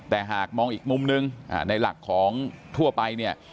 แต่หากมองอีกมุมนึงในหลักของทั่วไปเนี่ย